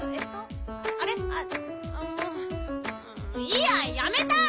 いいややめた！